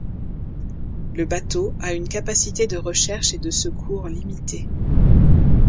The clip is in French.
Le bateau a une capacité de recherche et de secours limitée.